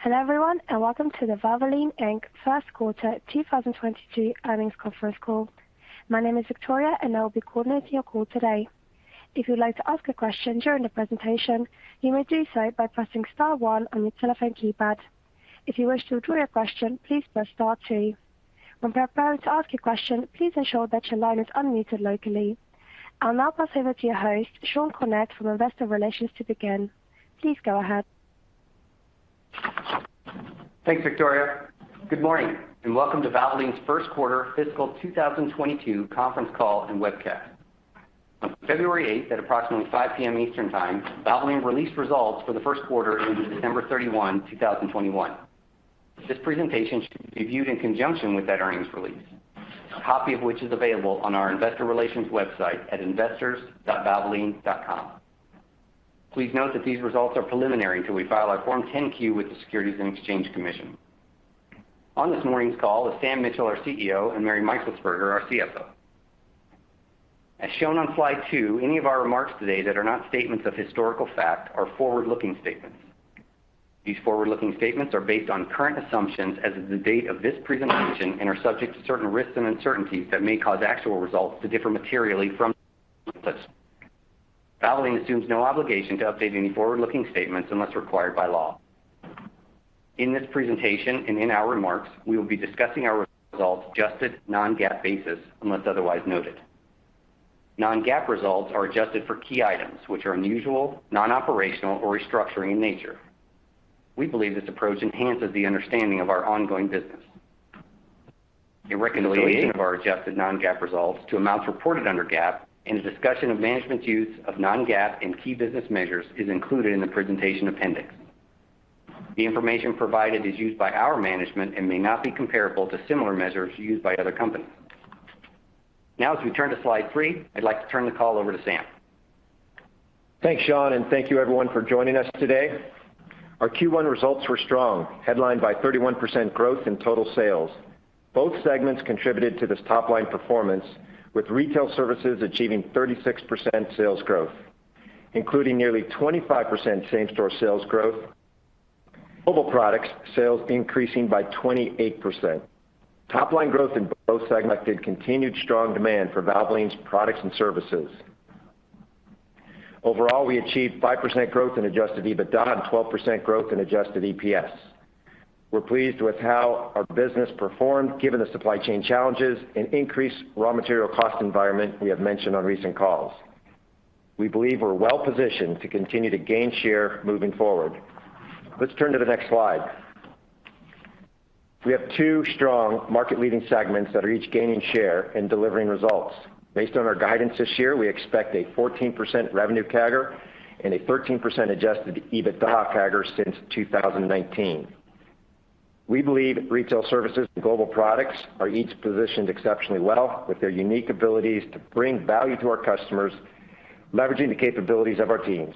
Hello, everyone, and welcome to the Valvoline Inc. First Quarter 2022 Earnings Conference Call. My name is Victoria, and I will be coordinating your call today. If you'd like to ask a question during the presentation, you may do so by pressing star one on your telephone keypad. If you wish to withdraw your question, please press star two. When preparing to ask your question, please ensure that your line is unmuted locally. I'll now pass over to your host, Sean Cornett, from Investor Relations to begin. Please go ahead. Thanks, Victoria. Good morning, and welcome to Valvoline's first quarter fiscal 2022 conference call and webcast. On February 8th, at approximately 5 P.M. Eastern Time, Valvoline released results for the first quarter ending December 31, 2021. This presentation should be viewed in conjunction with that earnings release, a copy of which is available on our investor relations website at investors.valvoline.com. Please note that these results are preliminary until we file our Form 10-Q with the Securities and Exchange Commission. On this morning's call is Sam Mitchell, our CEO, and Mary Meixelsperger, our CFO. As shown on slide two, any of our remarks today that are not statements of historical fact are forward-looking statements. These forward-looking statements are based on current assumptions as of the date of this presentation and are subject to certain risks and uncertainties that may cause actual results to differ materially from. Valvoline assumes no obligation to update any forward-looking statements unless required by law. In this presentation and in our remarks, we will be discussing our results adjusted non-GAAP basis unless otherwise noted. Non-GAAP results are adjusted for key items which are unusual, non-operational, or restructuring in nature. We believe this approach enhances the understanding of our ongoing business. A reconciliation of our adjusted non-GAAP results to amounts reported under GAAP and a discussion of management's use of non-GAAP and key business measures is included in the presentation appendix. The information provided is used by our management and may not be comparable to similar measures used by other companies. Now, as we turn to slide three, I'd like to turn the call over to Sam. Thanks, Sean, and thank you everyone for joining us today. Our Q1 results were strong, headlined by 31% growth in total sales. Both segments contributed to this top-line performance, with Retail Services achieving 36% sales growth, including nearly 25% same-store sales growth. Global Products sales increasing by 28%. Top-line growth in both segments reflected continued strong demand for Valvoline's products and services. Overall, we achieved 5% growth in adjusted EBITDA and 12% growth in adjusted EPS. We're pleased with how our business performed given the supply chain challenges and increased raw material cost environment we have mentioned on recent calls. We believe we're well positioned to continue to gain share moving forward. Let's turn to the next slide. We have two strong market-leading segments that are each gaining share and delivering results. Based on our guidance this year, we expect a 14% revenue CAGR and a 13% adjusted EBITDA CAGR since 2019. We believe Retail Services and Global Products are each positioned exceptionally well with their unique abilities to bring value to our customers, leveraging the capabilities of our teams.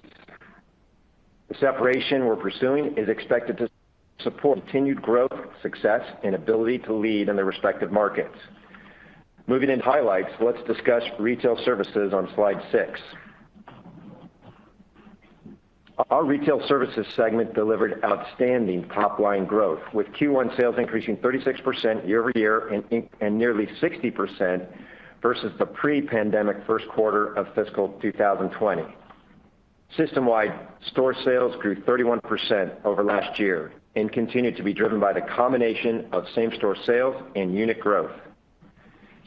The separation we're pursuing is expected to support continued growth, success, and ability to lead in their respective markets. Moving into highlights, let's discuss Retail Services on slide six. Our Retail Services segment delivered outstanding top-line growth, with Q1 sales increasing 36% year-over-year and nearly 60% versus the pre-pandemic first quarter of fiscal 2020. System-wide store sales grew 31% over last year and continued to be driven by the combination of same-store sales and unit growth.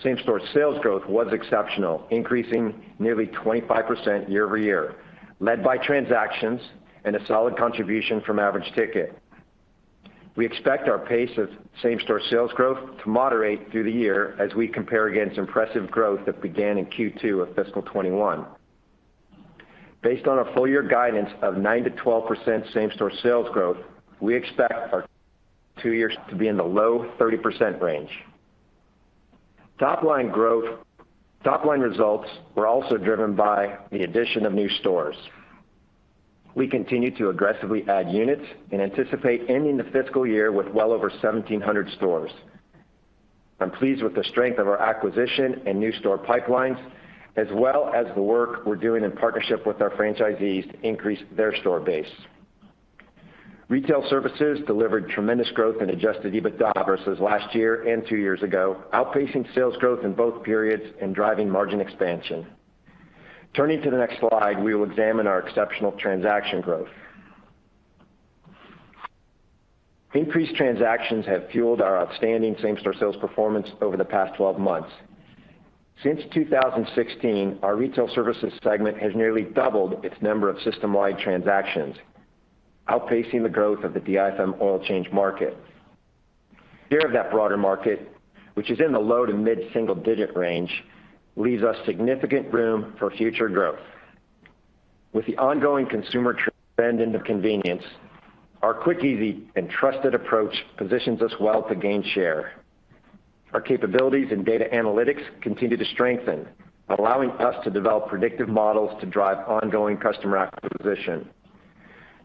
Same-store sales growth was exceptional, increasing nearly 25% year-over-year, led by transactions and a solid contribution from average ticket. We expect our pace of same-store sales growth to moderate through the year as we compare against impressive growth that began in Q2 of fiscal 2021. Based on our full-year guidance of 9%-12% same-store sales growth, we expect our two years to be in the low 30% range. Top-line results were also driven by the addition of new stores. We continue to aggressively add units and anticipate ending the fiscal year with well over 1,700 stores. I'm pleased with the strength of our acquisition and new store pipelines, as well as the work we're doing in partnership with our franchisees to increase their store base. Retail Services delivered tremendous growth in adjusted EBITDA versus last year and two years ago, outpacing sales growth in both periods and driving margin expansion. Turning to the next slide, we will examine our exceptional transaction growth. Increased transactions have fueled our outstanding same-store sales performance over the past 12 months. Since 2016, our Retail Services segment has nearly doubled its number of system-wide transactions, outpacing the growth of the DIFM oil change market. Our share of that broader market, which is in the low to mid-single digit range, leaves us significant room for future growth. With the ongoing consumer trend into convenience, our quick, easy, and trusted approach positions us well to gain share. Our capabilities in data analytics continue to strengthen, allowing us to develop predictive models to drive ongoing customer acquisition.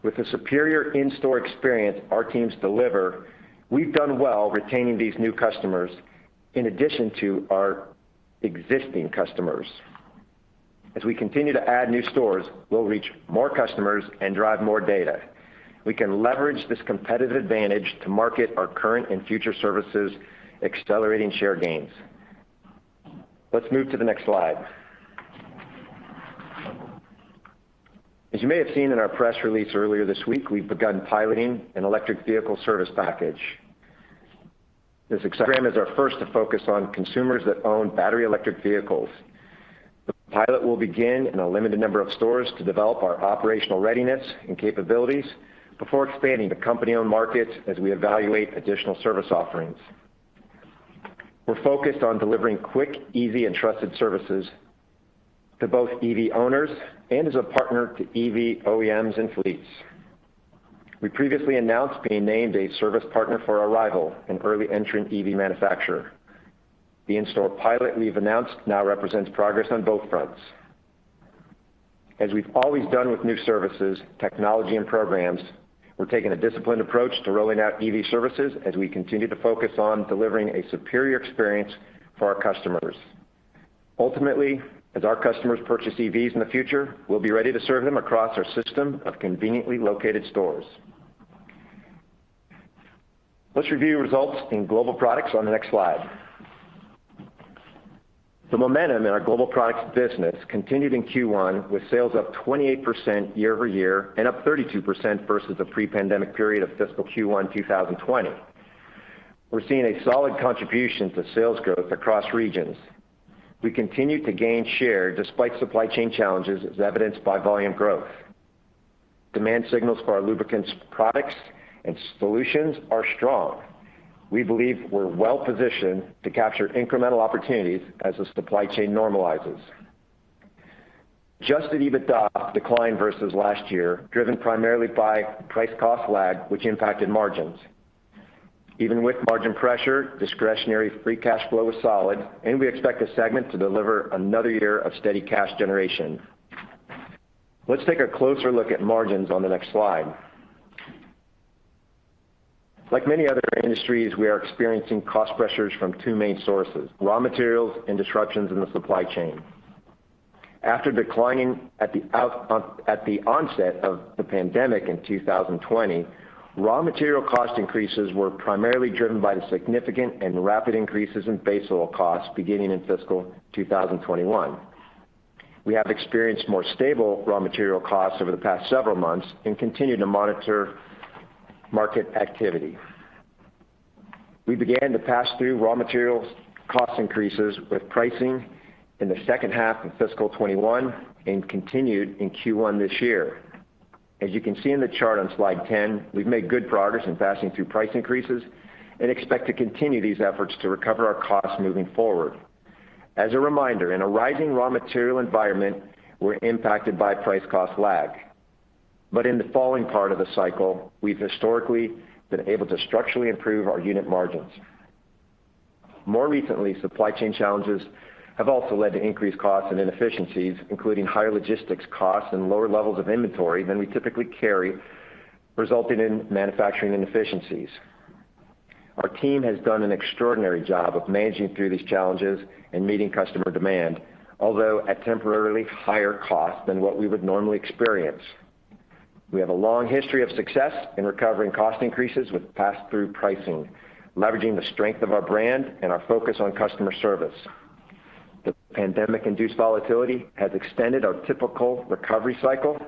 With the superior in-store experience our teams deliver, we've done well retaining these new customers in addition to our existing customers. As we continue to add new stores, we'll reach more customers and drive more data. We can leverage this competitive advantage to market our current and future services, accelerating share gains. Let's move to the next slide. As you may have seen in our press release earlier this week, we've begun piloting an electric vehicle service package. This program is our first to focus on consumers that own battery electric vehicles. The pilot will begin in a limited number of stores to develop our operational readiness and capabilities before expanding to company-owned markets as we evaluate additional service offerings. We're focused on delivering quick, easy, and trusted services to both EV owners and as a partner to EV OEMs and fleets. We previously announced being named a service partner for Arrival, an early entrant EV manufacturer. The in-store pilot we've announced now represents progress on both fronts. As we've always done with new services, technology, and programs, we're taking a disciplined approach to rolling out EV services as we continue to focus on delivering a superior experience for our customers. Ultimately, as our customers purchase EVs in the future, we'll be ready to serve them across our system of conveniently located stores. Let's review results in Global Products on the next slide. The momentum in our Global Products business continued in Q1 with sales up 28% year-over-year and up 32% versus the pre-pandemic period of fiscal Q1 2020. We're seeing a solid contribution to sales growth across regions. We continue to gain share despite supply chain challenges as evidenced by volume growth. Demand signals for our lubricants products and solutions are strong. We believe we're well positioned to capture incremental opportunities as the supply chain normalizes. Adjusted EBITDA declined versus last year, driven primarily by price cost lag, which impacted margins. Even with margin pressure, discretionary free cash flow was solid, and we expect this segment to deliver another year of steady cash generation. Let's take a closer look at margins on the next slide. Like many other industries, we are experiencing cost pressures from two main sources, raw materials and disruptions in the supply chain. After declining at the onset of the pandemic in 2020, raw material cost increases were primarily driven by the significant and rapid increases in base oil costs beginning in fiscal 2021. We have experienced more stable raw material costs over the past several months and continue to monitor market activity. We began to pass through raw materials cost increases with pricing in the second half of fiscal 2021 and continued in Q1 this year. As you can see in the chart on slide 10, we've made good progress in passing through price increases and expect to continue these efforts to recover our costs moving forward. As a reminder, in a rising raw material environment, we're impacted by price cost lag. In the falling part of the cycle, we've historically been able to structurally improve our unit margins. More recently, supply chain challenges have also led to increased costs and inefficiencies, including higher logistics costs and lower levels of inventory than we typically carry, resulting in manufacturing inefficiencies. Our team has done an extraordinary job of managing through these challenges and meeting customer demand, although at temporarily higher cost than what we would normally experience. We have a long history of success in recovering cost increases with pass-through pricing, leveraging the strength of our brand and our focus on customer service. The pandemic-induced volatility has extended our typical recovery cycle,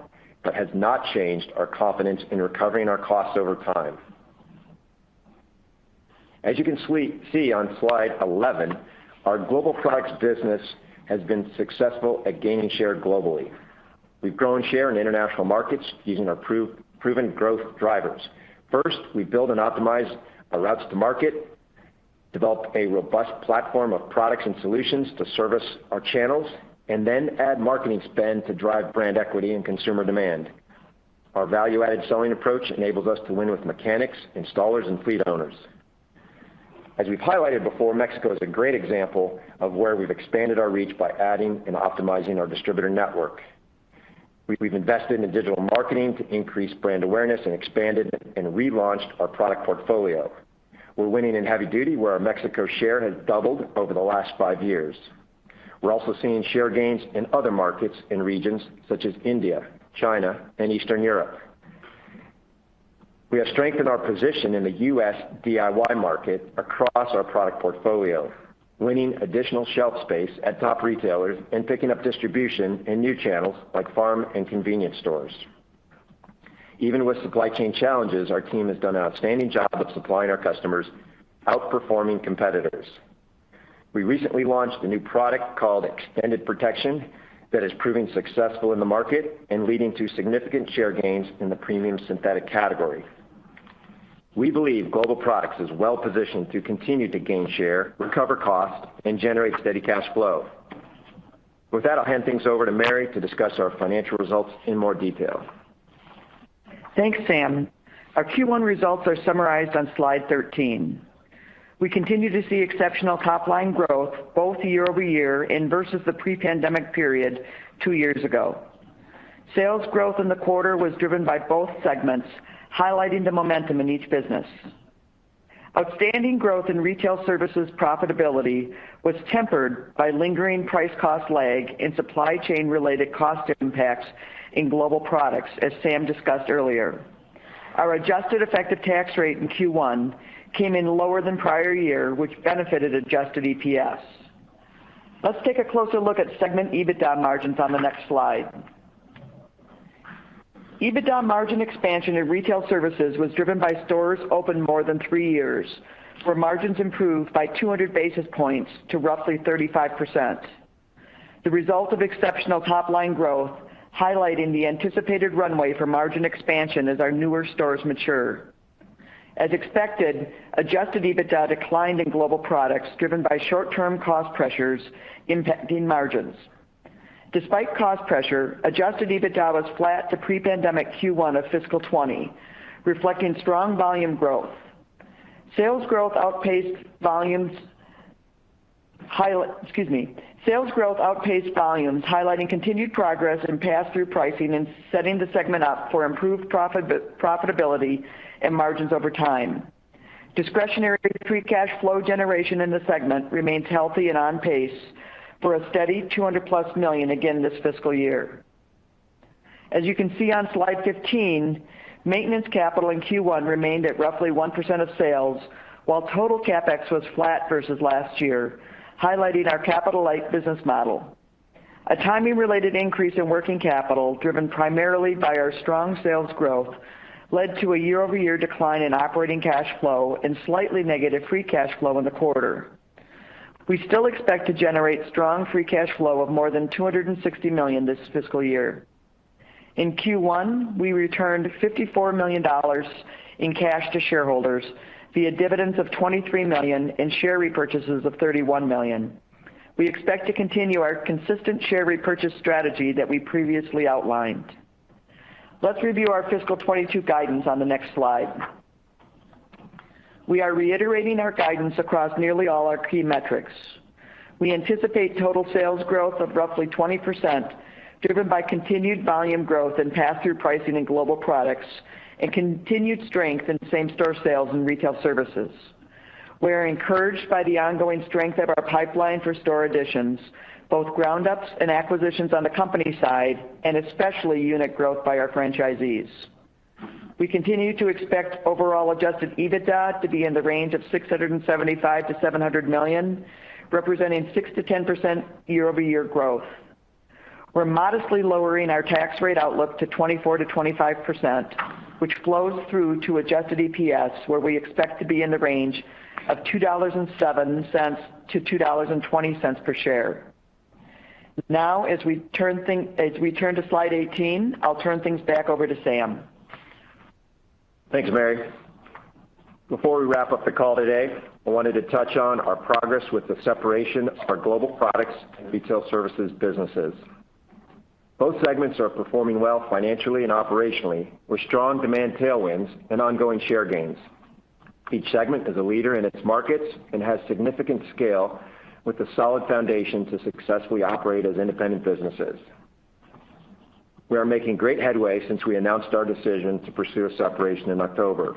but has not changed our confidence in recovering our costs over time. As you can see on slide 11, our Global Products business has been successful at gaining share globally. We've grown share in international markets using our proven growth drivers. First, we build and optimize our routes to market, develop a robust platform of products and solutions to service our channels, and then add marketing spend to drive brand equity and consumer demand. Our value-added selling approach enables us to win with mechanics, installers, and fleet owners. As we've highlighted before, Mexico is a great example of where we've expanded our reach by adding and optimizing our distributor network. We've invested in digital marketing to increase brand awareness and expanded and relaunched our product portfolio. We're winning in heavy duty, where our Mexico share has doubled over the last five years. We're also seeing share gains in other markets and regions, such as India, China, and Eastern Europe. We have strengthened our position in the U.S. DIY market across our product portfolio, winning additional shelf space at top retailers and picking up distribution in new channels like farm and convenience stores. Even with supply chain challenges, our team has done an outstanding job of supplying our customers, outperforming competitors. We recently launched a new product called Extended Protection that is proving successful in the market and leading to significant share gains in the premium synthetic category. We believe Global Products is well positioned to continue to gain share, recover cost, and generate steady cash flow. With that, I'll hand things over to Mary to discuss our financial results in more detail. Thanks, Sam. Our Q1 results are summarized on slide 13. We continue to see exceptional top-line growth both year-over-year and versus the pre-pandemic period two years ago. Sales growth in the quarter was driven by both segments, highlighting the momentum in each business. Outstanding growth in Retail Services profitability was tempered by lingering price cost lag and supply chain-related cost impacts in Global Products, as Sam discussed earlier. Our adjusted effective tax rate in Q1 came in lower than prior year, which benefited adjusted EPS. Let's take a closer look at segment EBITDA margins on the next slide. EBITDA margin expansion in Retail Services was driven by stores open more than three years, where margins improved by 200 basis points to roughly 35%. The result of exceptional top-line growth, highlighting the anticipated runway for margin expansion as our newer stores mature. As expected, adjusted EBITDA declined in Global Products driven by short-term cost pressures impacting margins. Despite cost pressure, adjusted EBITDA was flat to pre-pandemic Q1 of fiscal 2020, reflecting strong volume growth. Sales growth outpaced volumes, highlighting continued progress in pass-through pricing and setting the segment up for improved profit, profitability and margins over time. Discretionary free cash flow generation in the segment remains healthy and on pace for a steady 200+ million again this fiscal year. As you can see on slide 15, maintenance capital in Q1 remained at roughly 1% of sales, while total CapEx was flat versus last year, highlighting our capital-light business model. A timing-related increase in working capital driven primarily by our strong sales growth led to a year-over-year decline in operating cash flow and slightly negative free cash flow in the quarter. We still expect to generate strong free cash flow of more than $260 million this fiscal year. In Q1, we returned $54 million in cash to shareholders via dividends of $23 million and share repurchases of $31 million. We expect to continue our consistent share repurchase strategy that we previously outlined. Let's review our fiscal 2022 guidance on the next slide. We are reiterating our guidance across nearly all our key metrics. We anticipate total sales growth of roughly 20%, driven by continued volume growth and pass-through pricing in Global Products and continued strength in same-store sales and Retail Services. We are encouraged by the ongoing strength of our pipeline for store additions, both ground-ups and acquisitions on the company side, and especially unit growth by our franchisees. We continue to expect overall adjusted EBITDA to be in the range of $675 million-$700 million, representing 6%-10% year-over-year growth. We're modestly lowering our tax rate outlook to 24%-25%, which flows through to adjusted EPS, where we expect to be in the range of $2.07-$2.20 per share. Now, as we turn to slide 18, I'll turn things back over to Sam. Thanks, Mary. Before we wrap up the call today, I wanted to touch on our progress with the separation of our Global Products and Retail Services businesses. Both segments are performing well financially and operationally, with strong demand tailwinds and ongoing share gains. Each segment is a leader in its markets and has significant scale with a solid foundation to successfully operate as independent businesses. We are making great headway since we announced our decision to pursue a separation in October.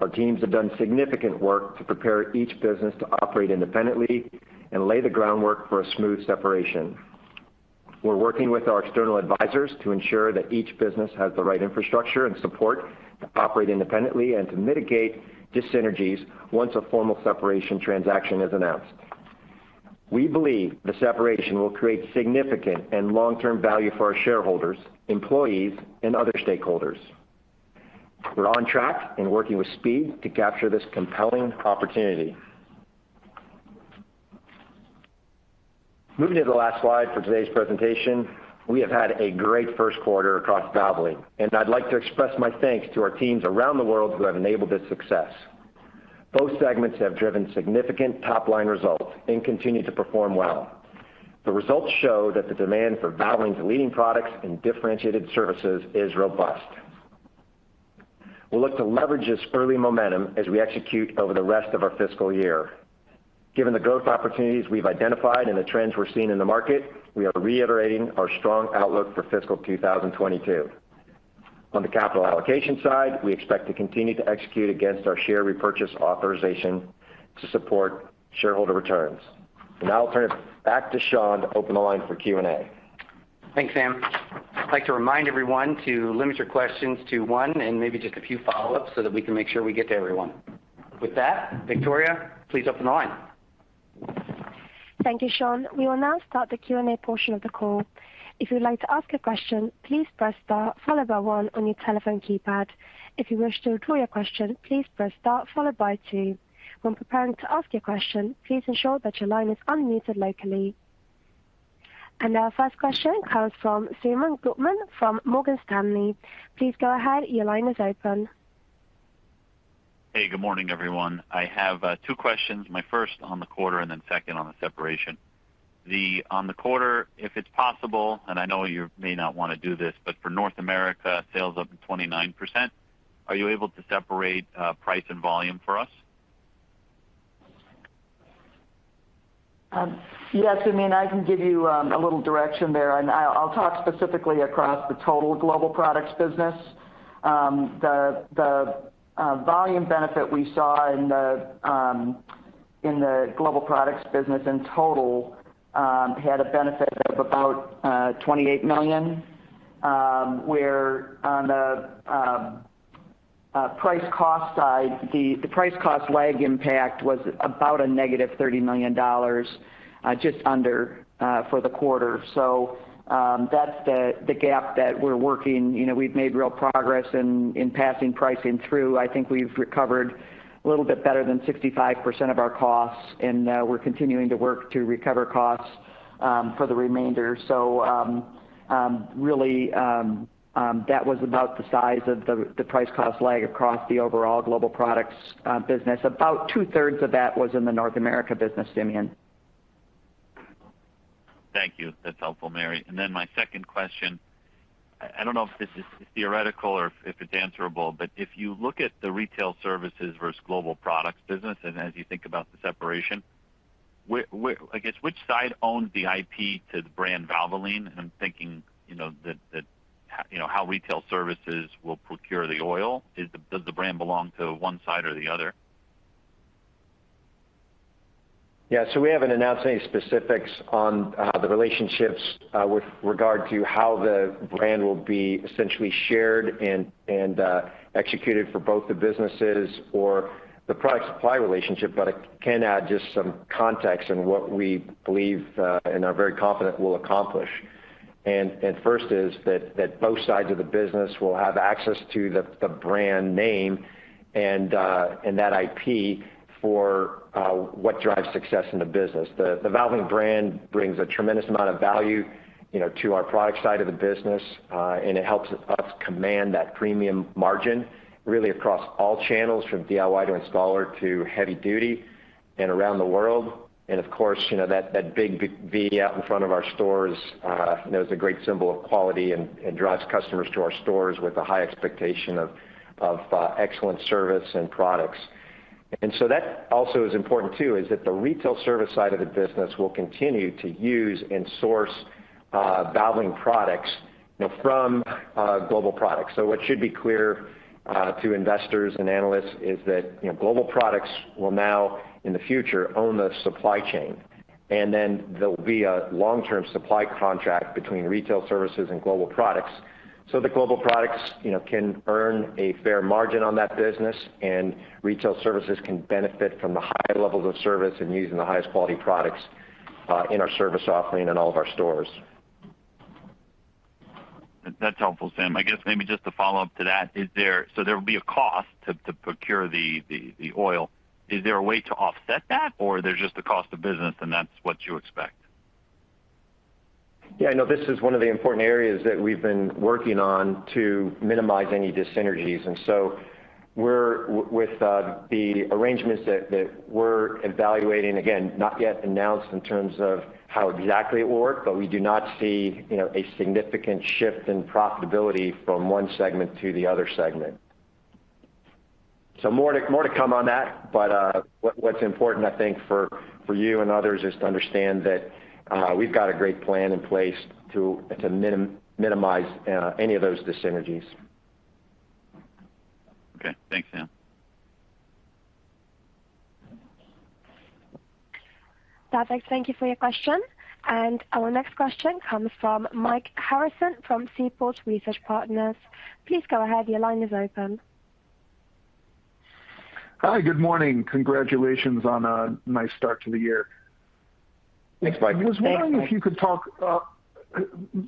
Our teams have done significant work to prepare each business to operate independently and lay the groundwork for a smooth separation. We're working with our external advisors to ensure that each business has the right infrastructure and support to operate independently and to mitigate dyssynergies once a formal separation transaction is announced. We believe the separation will create significant and long-term value for our shareholders, employees, and other stakeholders. We're on track and working with speed to capture this compelling opportunity. Moving to the last slide for today's presentation, we have had a great first quarter across Valvoline, and I'd like to express my thanks to our teams around the world who have enabled this success. Both segments have driven significant top-line results and continue to perform well. The results show that the demand for Valvoline's leading products and differentiated services is robust. We'll look to leverage this early momentum as we execute over the rest of our fiscal year. Given the growth opportunities we've identified and the trends we're seeing in the market, we are reiterating our strong outlook for fiscal 2022. On the capital allocation side, we expect to continue to execute against our share repurchase authorization to support shareholder returns. Now I'll turn it back to Sean to open the line for Q&A. Thanks, Sam. I'd like to remind everyone to limit your questions to one and maybe just a few follow-ups so that we can make sure we get to everyone. With that, Victoria, please open the line. Thank you, Sean. We will now start the Q&A portion of the call. If you'd like to ask a question, please press star followed by one on your telephone keypad. If you wish to withdraw your question, please press star followed by two. When preparing to ask your question, please ensure that your line is unmuted locally. Our first question comes from Simeon Gutman from Morgan Stanley. Please go ahead. Your line is open. Hey, good morning, everyone. I have two questions, my first on the quarter and then second on the separation. On the quarter, if it's possible, and I know you may not want to do this, but for North America, sales up 29%, are you able to separate price and volume for us? Yes, I mean, I can give you a little direction there, and I'll talk specifically across the total Global Products business. The volume benefit we saw in the Global Products business in total had a benefit of about $28 million, where on the price cost side, the price cost lag impact was about -$30 million, just under, for the quarter. That's the gap that we're working. You know, we've made real progress in passing pricing through. I think we've recovered a little bit better than 65% of our costs, and we're continuing to work to recover costs for the remainder. Really, that was about the size of the price cost lag across the overall Global Products business. About two-thirds of that was in the North America business, Simeon. Thank you. That's helpful, Mary. My second question, I don't know if this is theoretical or if it's answerable, but if you look at the Retail Services versus Global Products business, and as you think about the separation, which side owns the IP to the brand Valvoline? I'm thinking, you know, that, you know, how Retail Services will procure the oil. Does the brand belong to one side or the other? Yeah. We haven't announced any specifics on the relationships with regard to how the brand will be essentially shared and executed for both the businesses or the product supply relationship, but I can add just some context in what we believe and are very confident we'll accomplish. First is that both sides of the business will have access to the brand name and that IP for what drives success in the business. The Valvoline brand brings a tremendous amount of value, you know, to our product side of the business and it helps us command that premium margin really across all channels, from DIY to installer to heavy duty and around the world. Of course, you know that big V out in front of our stores, you know, is a great symbol of quality and drives customers to our stores with a high expectation of excellent service and products. That also is important too, is that the retail service side of the business will continue to use and source Valvoline products, you know, from Global Products. What should be clear to investors and analysts is that, you know, Global Products will now in the future own the supply chain. There'll be a long-term supply contract between Retail Services and Global Products, so the Global Products, you know, can earn a fair margin on that business, and Retail Services can benefit from the high levels of service and using the highest quality products in our service offering in all of our stores. That's helpful, Sam. I guess maybe just to follow up to that, so there will be a cost to procure the oil. Is there a way to offset that or there's just the cost of business and that's what you expect? Yeah, no, this is one of the important areas that we've been working on to minimize any dis-synergies. We're with the arrangements that we're evaluating, again, not yet announced in terms of how exactly it will work, but we do not see, you know, a significant shift in profitability from one segment to the other segment. More to come on that, but what's important, I think, for you and others is to understand that we've got a great plan in place to minimize any of those dis-synergies. Okay. Thanks, Sam. Simeon, thank you for your question. Our next question comes from Mike Harrison from Seaport Research Partners. Please go ahead. Your line is open. Hi. Good morning. Congratulations on a nice start to the year. Thanks, Mike. Thanks, Mike. I was wondering if you could talk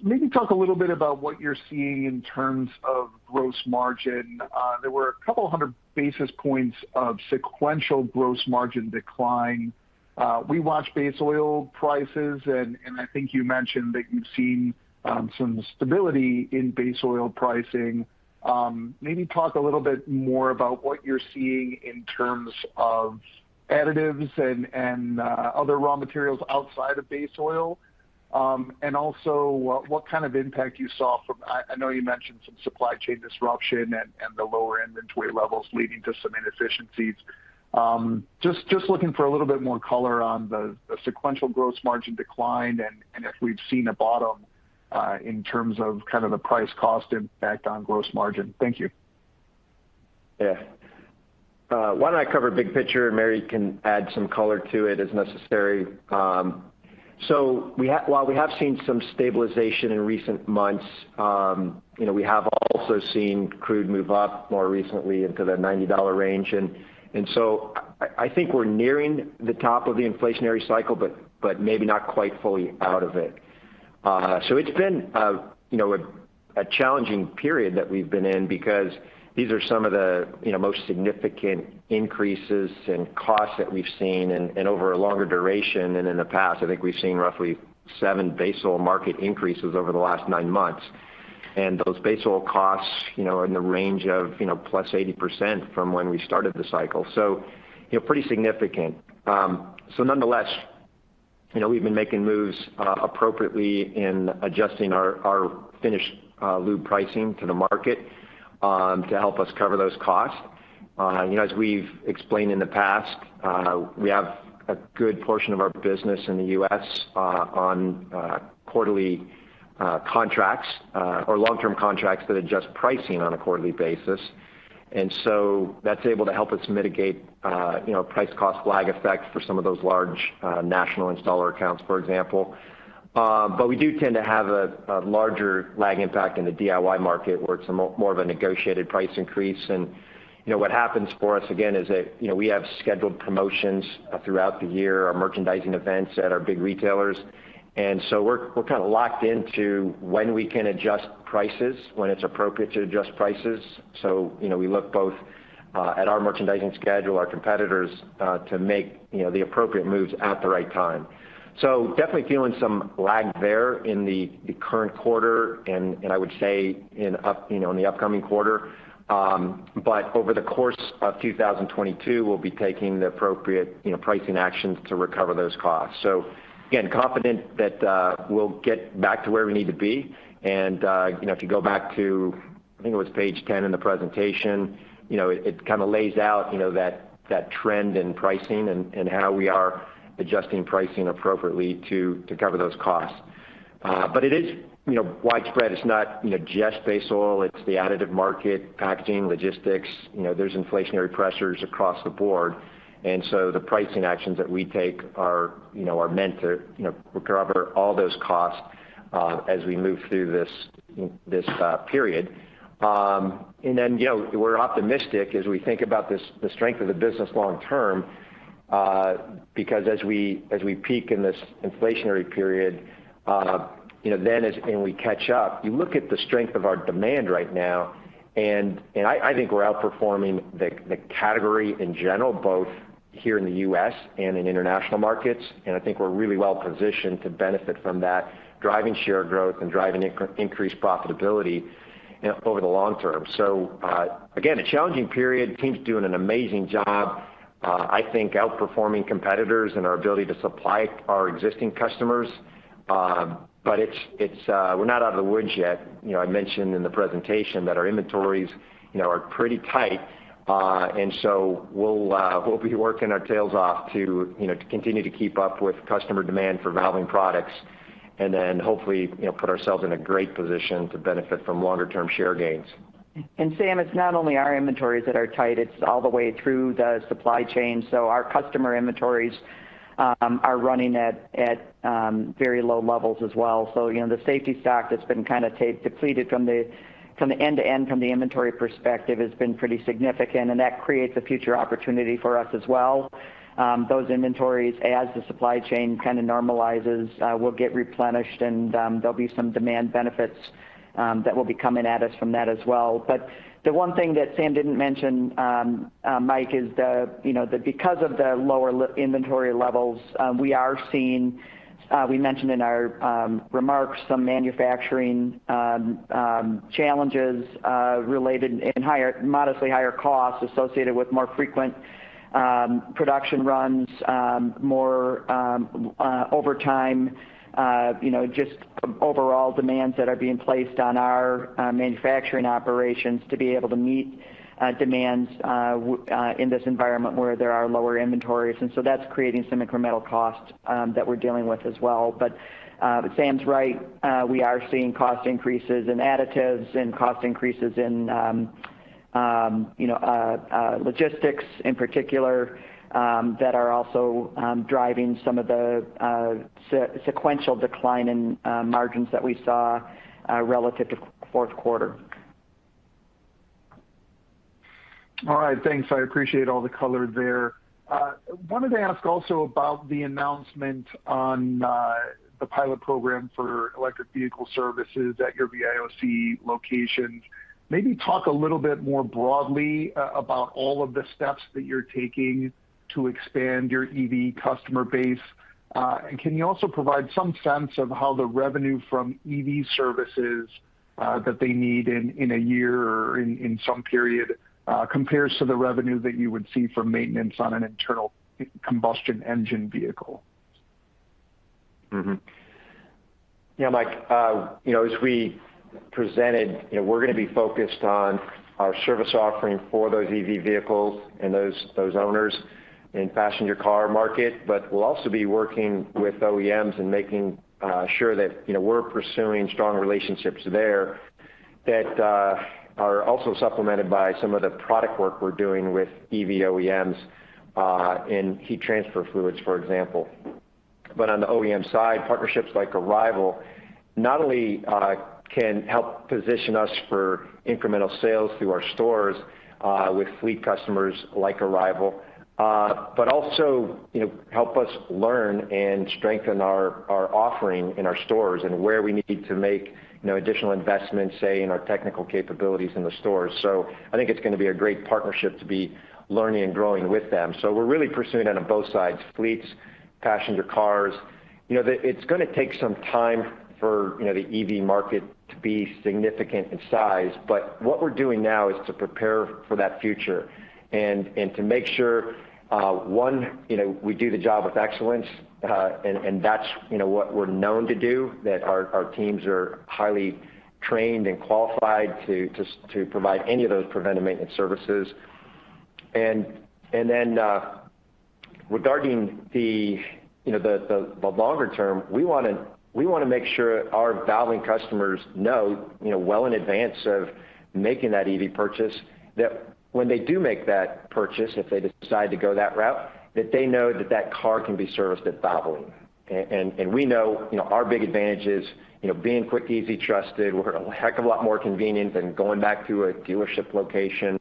maybe talk a little bit about what you're seeing in terms of gross margin. There were a couple of hundred basis points of sequential gross margin decline. We watched base oil prices and I think you mentioned that you've seen some stability in base oil pricing. Maybe talk a little bit more about what you're seeing in terms of additives and other raw materials outside of base oil. And also what kind of impact you saw from I know you mentioned some supply chain disruption and the lower inventory levels leading to some inefficiencies. Just looking for a little bit more color on the sequential gross margin decline and if we've seen a bottom in terms of kind of the price cost impact on gross margin. Thank you. Yeah. Why don't I cover big picture and Mary can add some color to it as necessary. While we have seen some stabilization in recent months, you know, we have also seen crude move up more recently into the $90 range. So I think we're nearing the top of the inflationary cycle, but maybe not quite fully out of it. It's been, you know, a challenging period that we've been in because these are some of the, you know, most significant increases in costs that we've seen and over a longer duration than in the past. I think we've seen roughly seven base oil market increases over the last nine months. And those base oil costs, you know, are in the range of, you know, +80% from when we started the cycle. You know, pretty significant. Nonetheless, you know, we've been making moves appropriately in adjusting our finished lube pricing to the market to help us cover those costs. You know, as we've explained in the past, we have a good portion of our business in the U.S. on quarterly contracts or long-term contracts that adjust pricing on a quarterly basis. That's able to help us mitigate you know, price cost lag effect for some of those large national installer accounts, for example. We do tend to have a larger lag impact in the DIY market, where it's more of a negotiated price increase. You know, what happens for us, again, is that, you know, we have scheduled promotions throughout the year, our merchandising events at our big retailers. We're kinda locked into when we can adjust prices, when it's appropriate to adjust prices. You know, we look both at our merchandising schedule, our competitors to make you know the appropriate moves at the right time. Definitely feeling some lag there in the current quarter, and I would say in the upcoming quarter. But over the course of 2022, we'll be taking the appropriate you know pricing actions to recover those costs. Again, confident that we'll get back to where we need to be. You know, if you go back to, I think it was page 10 in the presentation, you know, it kinda lays out you know that trend in pricing and how we are adjusting pricing appropriately to cover those costs. It is, you know, widespread. It's not, you know, just base oil, it's the additive market, packaging, logistics. You know, there's inflationary pressures across the board. The pricing actions that we take are, you know, meant to, you know, recover all those costs, as we move through this period. We're optimistic as we think about this, the strength of the business long term, because as we peak in this inflationary period, then, as we catch up, you look at the strength of our demand right now, and I think we're outperforming the category in general, both here in the U.S. and in international markets. I think we're really well positioned to benefit from that, driving share growth and driving increased profitability, you know, over the long term. Again, a challenging period. Team's doing an amazing job, I think outperforming competitors in our ability to supply our existing customers. We're not out of the woods yet. You know, I mentioned in the presentation that our inventories, you know, are pretty tight. We'll be working our tails off to, you know, to continue to keep up with customer demand for Valvoline products, and then hopefully, you know, put ourselves in a great position to benefit from longer term share gains. Sam, it's not only our inventories that are tight, it's all the way through the supply chain. Our customer inventories are running at very low levels as well. You know, the safety stock that's been kinda depleted from end to end from the inventory perspective has been pretty significant, and that creates a future opportunity for us as well. Those inventories as the supply chain kinda normalizes will get replenished and there'll be some demand benefits that will be coming at us from that as well. The one thing that Sam didn't mention, Mike, is, you know, because of the lower inventory levels, we are seeing, we mentioned in our remarks some manufacturing challenges related, and higher, modestly higher costs associated with more frequent production runs, more overtime, you know, just overall demands that are being placed on our manufacturing operations to be able to meet demands in this environment where there are lower inventories. That's creating some incremental costs that we're dealing with as well. Sam's right. We are seeing cost increases in additives and in you know logistics in particular that are also driving some of the sequential decline in margins that we saw relative to fourth quarter. All right. Thanks. I appreciate all the color there. Wanted to ask also about the announcement on the pilot program for electric vehicle services at your VIOC locations. Maybe talk a little bit more broadly about all of the steps that you're taking to expand your EV customer base. Can you also provide some sense of how the revenue from EV services that they need in a year or in some period compares to the revenue that you would see from maintenance on an internal combustion engine vehicle? Mm-hmm. Yeah, Mike, you know, as we presented, you know, we're gonna be focused on our service offering for those EV vehicles and those owners in passenger car market. We'll also be working with OEMs and making sure that, you know, we're pursuing strong relationships there that are also supplemented by some of the product work we're doing with EV OEMs in heat transfer fluids, for example. On the OEM side, partnerships like Arrival not only can help position us for incremental sales through our stores with fleet customers like Arrival but also, you know, help us learn and strengthen our offering in our stores and where we need to make, you know, additional investments, say, in our technical capabilities in the stores. I think it's gonna be a great partnership to be learning and growing with them. We're really pursuing that on both sides, fleets, passenger cars. You know, it's gonna take some time for, you know, the EV market to be significant in size, but what we're doing now is to prepare for that future and to make sure, you know, we do the job with excellence. That's, you know, what we're known to do, that our teams are highly trained and qualified to provide any of those preventive maintenance services. Then, regarding the, you know, the longer term, we wanna make sure our Valvoline customers know, you know, well in advance of making that EV purchase, that when they do make that purchase, if they decide to go that route, that they know that that car can be serviced at Valvoline. We know, you know, our big advantage is, you know, being quick, easy, trusted. We're a heck of a lot more convenient than going back to a dealership location.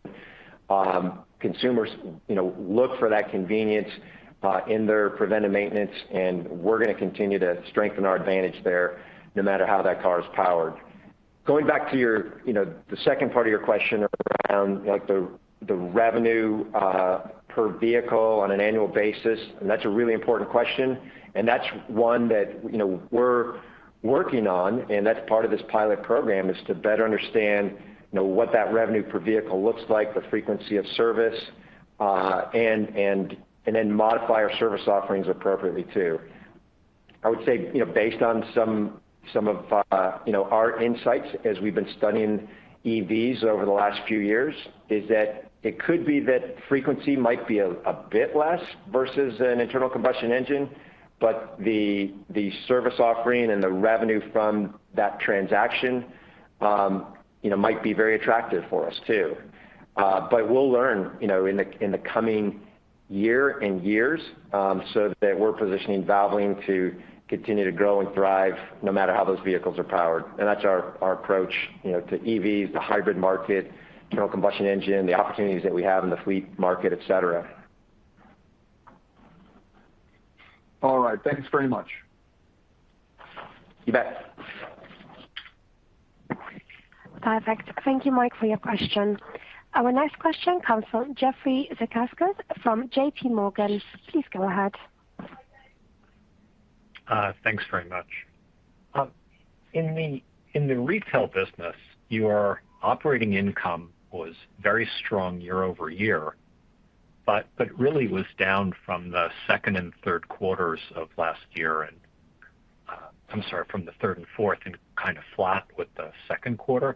Consumers, you know, look for that convenience in their preventive maintenance, and we're gonna continue to strengthen our advantage there no matter how that car is powered. Going back to your, you know, the second part of your question around, like, the revenue per vehicle on an annual basis, and that's a really important question, and that's one that, you know, we're working on, and that's part of this pilot program is to better understand, you know, what that revenue per vehicle looks like, the frequency of service, and then modify our service offerings appropriately too. I would say, you know, based on some of, you know, our insights as we've been studying EVs over the last few years is that it could be that frequency might be a bit less versus an internal combustion engine, but the service offering and the revenue from that transaction, you know, might be very attractive for us too. But we'll learn, you know, in the coming year and years, so that we're positioning Valvoline to continue to grow and thrive no matter how those vehicles are powered. That's our approach, you know, to EVs, the hybrid market, internal combustion engine, the opportunities that we have in the fleet market, et cetera. All right. Thanks very much. You bet. Perfect. Thank you, Mike, for your question. Our next question comes from Jeffrey Zekauskas from JP Morgan. Please go ahead. Thanks very much. In the retail business, your operating income was very strong year-over-year, but really was down from the third and fourth quarters of last year and kind of flat with the second quarter.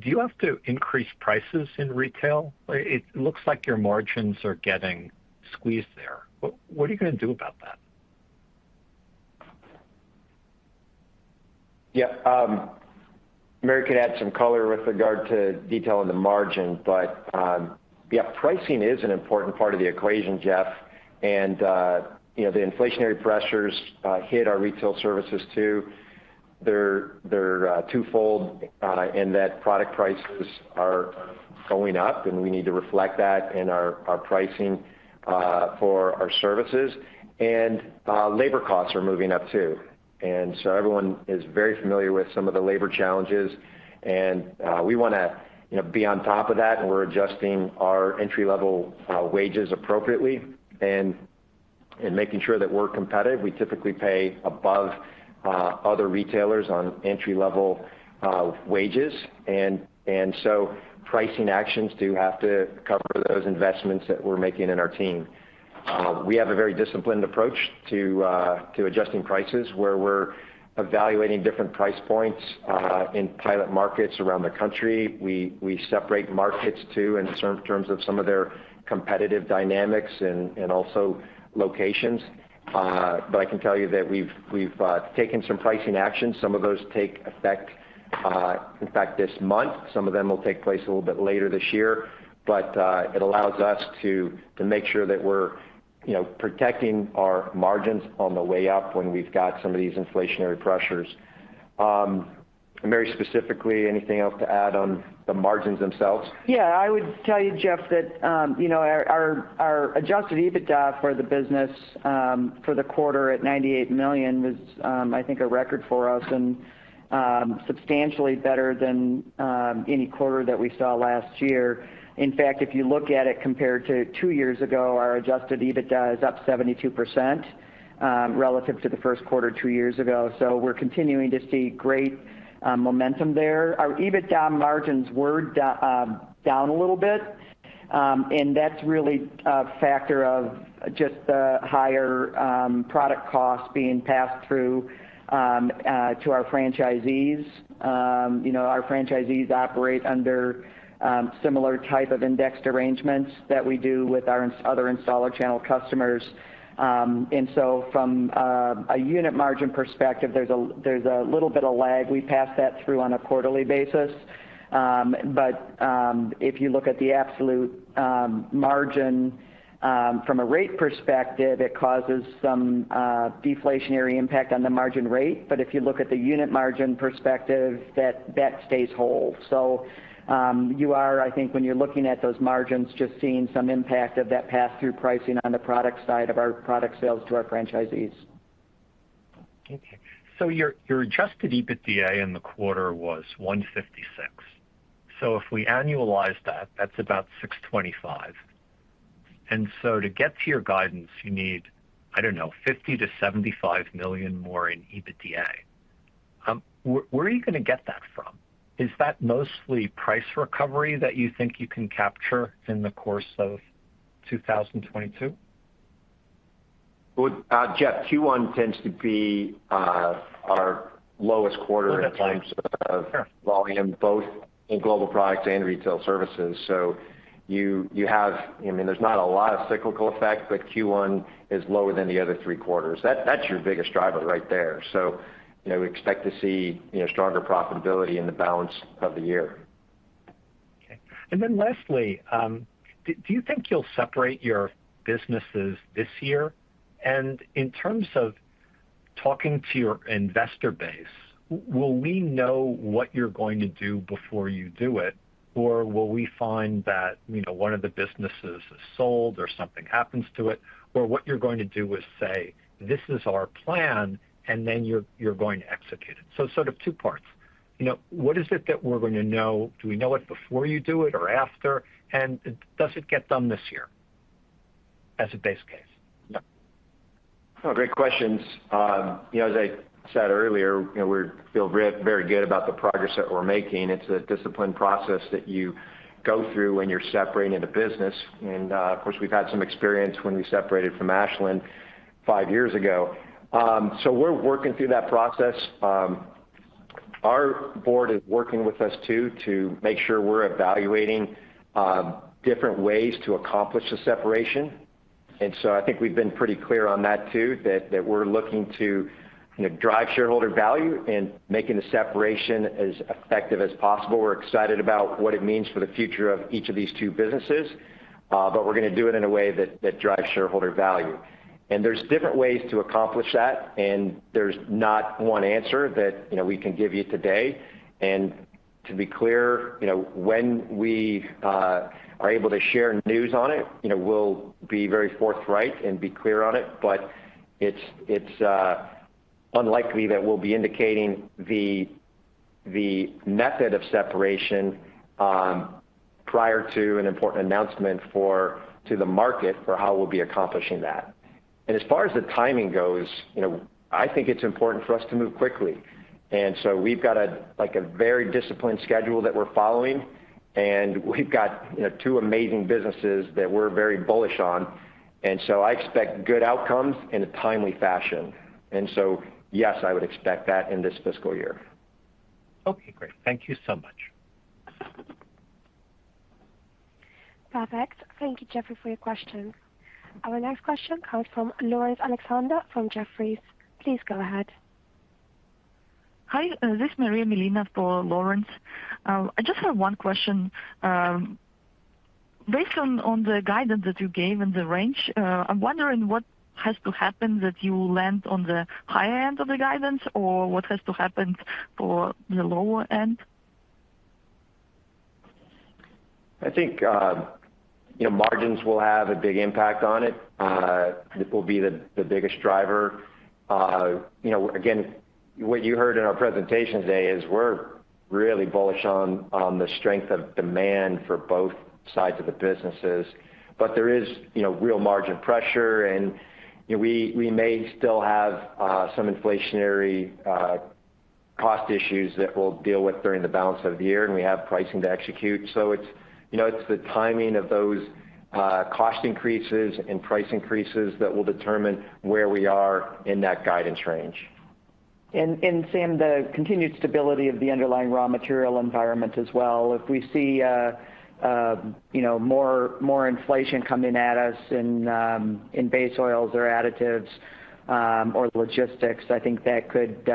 Do you have to increase prices in retail? It looks like your margins are getting squeezed there. What are you gonna do about that? Yeah. Mary can add some color with regard to detail on the margin, but yeah, pricing is an important part of the equation, Jeff. You know, the inflationary pressures hit our Retail Services too. They're twofold in that product prices are going up, and we need to reflect that in our pricing for our services. Labor costs are moving up too. Everyone is very familiar with some of the labor challenges, and we wanna, you know, be on top of that, and we're adjusting our entry-level wages appropriately and making sure that we're competitive. We typically pay above other retailers on entry-level wages. Pricing actions do have to cover those investments that we're making in our team. We have a very disciplined approach to adjusting prices, where we're evaluating different price points in pilot markets around the country. We separate markets too in terms of some of their competitive dynamics and also locations. I can tell you that we've taken some pricing actions. Some of those take effect, in fact, this month. Some of them will take place a little bit later this year. It allows us to make sure that we're, you know, protecting our margins on the way up when we've got some of these inflationary pressures. Mary, specifically, anything else to add on the margins themselves? Yeah. I would tell you, Jeff, that, you know, our adjusted EBITDA for the business, for the quarter at $98 million was, I think a record for us and, substantially better than, any quarter that we saw last year. In fact, if you look at it compared to two years ago, our adjusted EBITDA is up 72%, relative to the first quarter two years ago. We're continuing to see great, momentum there. Our EBITDA margins were down a little bit, and that's really a factor of just the higher, product costs being passed through, to our franchisees. You know, our franchisees operate under, similar type of indexed arrangements that we do with our other installer channel customers. From a unit margin perspective, there's a little bit of lag. We pass that through on a quarterly basis. If you look at the absolute margin from a rate perspective, it causes some deflationary impact on the margin rate. If you look at the unit margin perspective, that stays whole. You are, I think, when you're looking at those margins, just seeing some impact of that pass-through pricing on the product side of our product sales to our franchisees. Okay. Your adjusted EBITDA in the quarter was $156. If we annualize that's about $625. To get to your guidance, you need, I don't know, $50-$75 million more in EBITDA. Where are you gonna get that from? Is that mostly price recovery that you think you can capture in the course of 2022? Well, Jeff, Q1 tends to be our lowest quarter in terms of volume, both in Global Products and Retail Services. I mean, there's not a lot of cyclical effect, but Q1 is lower than the other three quarters. That's your biggest driver right there. You know, we expect to see, you know, stronger profitability in the balance of the year. Okay. Lastly, do you think you'll separate your businesses this year? In terms of talking to your investor base, will we know what you're going to do before you do it? Or will we find that, you know, one of the businesses is sold or something happens to it, or what you're going to do is say, "This is our plan," and then you're going to execute it. Sort of two parts. You know, what is it that we're going to know? Do we know it before you do it or after? Does it get done this year as a base case? Great questions. You know, as I said earlier, you know, we're feeling very good about the progress that we're making. It's a disciplined process that you go through when you're separating the business. Of course, we've had some experience when we separated from Ashland five years ago. We're working through that process. Our board is working with us too, to make sure we're evaluating different ways to accomplish the separation. I think we've been pretty clear on that too, that we're looking to, you know, drive shareholder value and making the separation as effective as possible. We're excited about what it means for the future of each of these two businesses. We're gonna do it in a way that drives shareholder value. There's different ways to accomplish that, and there's not one answer that, you know, we can give you today. To be clear, you know, when we are able to share news on it, you know, we'll be very forthright and be clear on it. It's unlikely that we'll be indicating the method of separation prior to an important announcement to the market for how we'll be accomplishing that. As far as the timing goes, you know, I think it's important for us to move quickly. We've got a, like, a very disciplined schedule that we're following. We've got, you know, two amazing businesses that we're very bullish on. I expect good outcomes in a timely fashion. Yes, I would expect that in this fiscal year. Okay, great. Thank you so much. Perfect. Thank you, Jeffrey, for your question. Our next question comes from Laurence Alexander from Jefferies. Please go ahead. Hi, this is Maria Molina for Laurence. I just have one question. Based on the guidance that you gave and the range, I'm wondering what has to happen that you land on the higher end of the guidance or what has to happen for the lower end? I think, you know, margins will have a big impact on it. It will be the biggest driver. You know, again, what you heard in our presentation today is we're really bullish on the strength of demand for both sides of the businesses. There is, you know, real margin pressure. You know, we may still have some inflationary cost issues that we'll deal with during the balance of the year, and we have pricing to execute. It's, you know, it's the timing of those cost increases and price increases that will determine where we are in that guidance range. Sam, the continued stability of the underlying raw material environment as well. If we see you know more inflation coming at us in base oils or additives or logistics, I think that could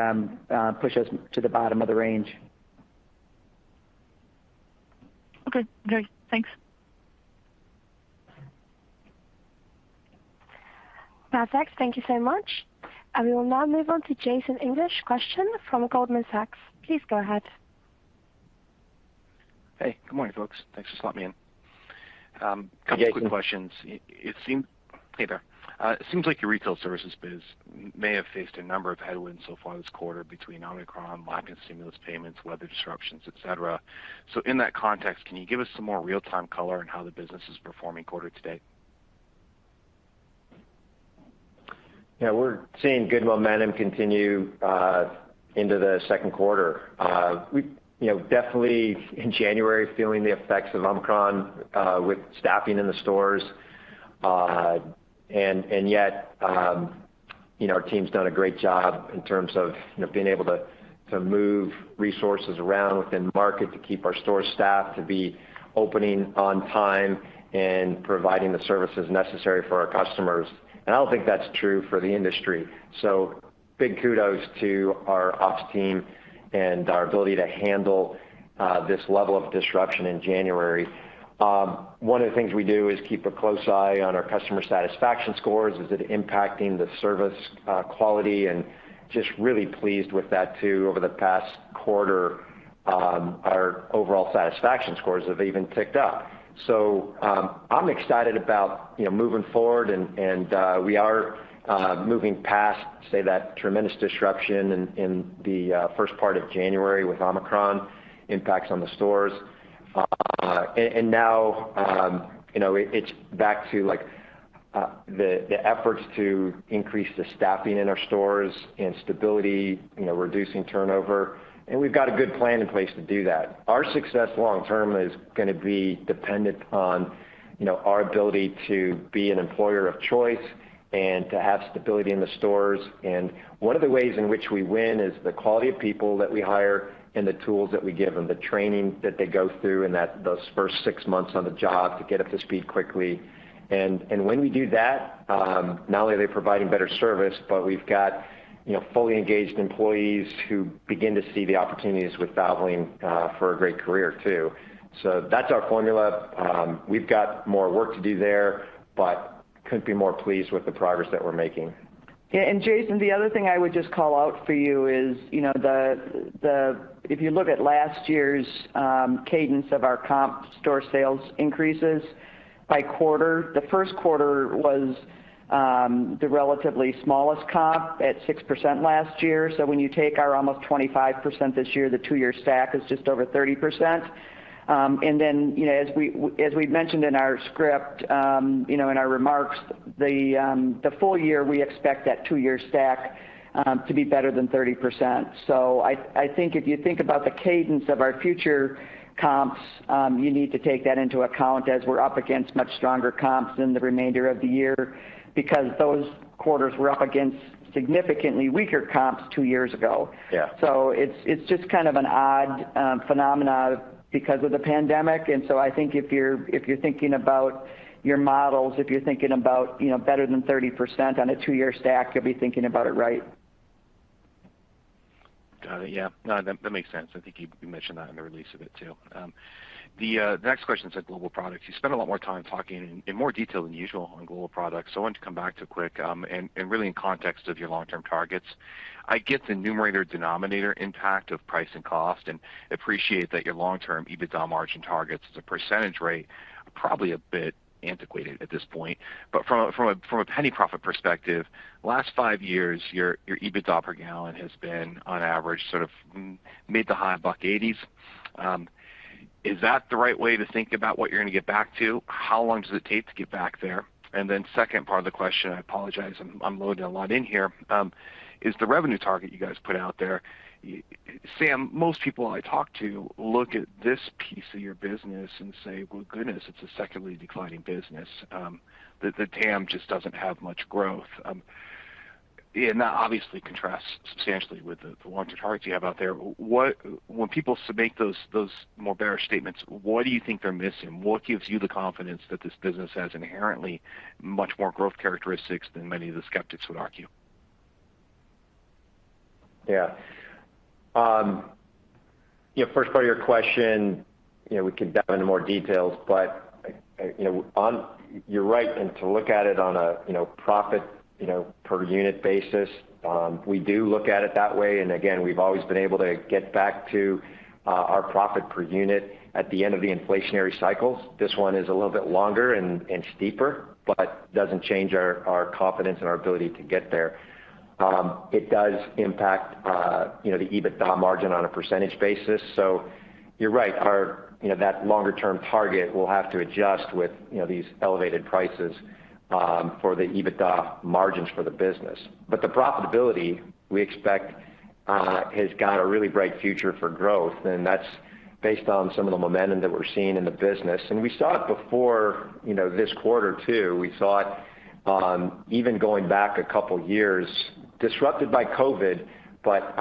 push us to the bottom of the range. Okay, great. Thanks. Perfect. Thank you so much. I will now move on to Jason English, question from Goldman Sachs. Please go ahead. Hey, good morning, folks. Thanks for slotting me in. Couple quick questions. Hey, Jason. Hey there. It seems like your Retail Services biz may have faced a number of headwinds so far this quarter between Omicron, lack of stimulus payments, weather disruptions, et cetera. In that context, can you give us some more real-time color on how the business is performing quarter to date? Yeah, we're seeing good momentum continue into the second quarter. We, you know, definitely in January feeling the effects of Omicron with staffing in the stores. Yet, you know, our team's done a great job in terms of, you know, being able to move resources around within the market to keep our store staffed, to be opening on time and providing the services necessary for our customers. I don't think that's true for the industry. Big kudos to our ops team and our ability to handle this level of disruption in January. One of the things we do is keep a close eye on our customer satisfaction scores. Is it impacting the service quality? Just really pleased with that too. Over the past quarter, our overall satisfaction scores have even ticked up. I'm excited about, you know, moving forward and we are moving past, say, that tremendous disruption in the first part of January with Omicron impacts on the stores. Now, you know, it's back to, like, the efforts to increase the staffing in our stores and stability, you know, reducing turnover, and we've got a good plan in place to do that. Our success long term is gonna be dependent on, you know, our ability to be an employer of choice and to have stability in the stores. One of the ways in which we win is the quality of people that we hire and the tools that we give them, the training that they go through in those first six months on the job to get up to speed quickly. When we do that, not only are they providing better service, but we've got, you know, fully engaged employees who begin to see the opportunities with Valvoline for a great career too. That's our formula. We've got more work to do there, but we couldn't be more pleased with the progress that we're making. Yeah. Jason, the other thing I would just call out for you is, you know, if you look at last year's cadence of our comp store sales increases by quarter, the first quarter was the relatively smallest comp at 6% last year. When you take our almost 25% this year, the two year stack is just over 30%. You know, as we've mentioned in our script, you know, in our remarks, the full-year, we expect that two year stack to be better than 30%. I think if you think about the cadence of our future comps, you need to take that into account as we're up against much stronger comps in the remainder of the year because those quarters were up against significantly weaker comps two years ago. Yeah. It's just kind of an odd phenomena because of the pandemic. I think if you're thinking about your models, you know, better than 30% on a two year stack, you'll be thinking about it right. Got it. Yeah. No, that makes sense. I think you mentioned that in the release a bit too. The next question's at Global Products. You spent a lot more time talking in more detail than usual on Global Products. I wanted to come back to it quick, and really in context of your long-term targets. I get the numerator denominator impact of price and cost, and appreciate that your long-term EBITDA margin targets as a percentage rate are probably a bit antiquated at this point. From a penny profit perspective, last five years, your EBITDA per gallon has been on average sort of mid- to high-$80s. Is that the right way to think about what you're gonna get back to? How long does it take to get back there? Second part of the question, I apologize, I'm loading a lot in here. Is the revenue target you guys put out there, Sam? Most people I talk to look at this piece of your business and say, "Well, goodness, it's a steadily declining business." The TAM just doesn't have much growth. That obviously contrasts substantially with the long-term targets you have out there. What, when people submit those more bearish statements, what do you think they're missing? What gives you the confidence that this business has inherently much more growth characteristics than many of the skeptics would argue? Yeah. You know, first part of your question, you know, we could dive into more details, but, you know, you're right, and to look at it on a, you know, profit, you know, per unit basis, we do look at it that way. Again, we've always been able to get back to our profit per unit at the end of the inflationary cycles. This one is a little bit longer and steeper, but doesn't change our confidence and our ability to get there. It does impact, you know, the EBITDA margin on a percentage basis. So you're right. Our, you know, that longer term target will have to adjust with, you know, these elevated prices, for the EBITDA margins for the business. But the profitability we expect has got a really bright future for growth. That's based on some of the momentum that we're seeing in the business. We saw it before, you know, this quarter too. We saw it even going back a couple years disrupted by COVID, but,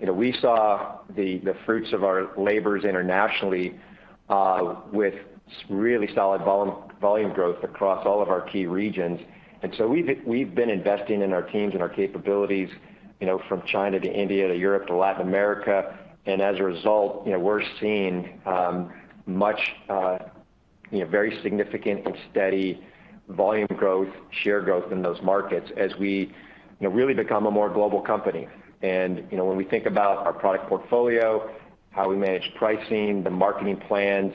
you know, we saw the fruits of our labors internationally, with really solid volume growth across all of our key regions. We've been investing in our teams and our capabilities, you know, from China to India to Europe to Latin America. As a result, you know, we're seeing, you know, very significant and steady volume growth, share growth in those markets as we, you know, really become a more global company. You know, when we think about our product portfolio, how we manage pricing, the marketing plans,